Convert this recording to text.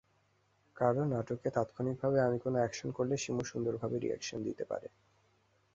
কারণ, নাটকে তাৎক্ষণিকভাবে আমি কোনো অ্যাকশন করলে শিমু সুন্দরভাবে রি-অ্যাকশন দিতে পারে।